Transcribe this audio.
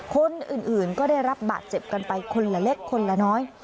คนอื่นก็ได้รับบาดเจ็บกันไปคนละเล็กคนละน้อย